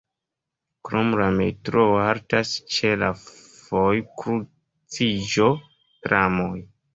Krom la metroo haltas ĉe la vojkruciĝo tramoj.